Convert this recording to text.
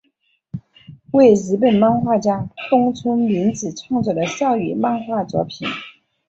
为日本漫画家东村明子创作的少女漫画作品。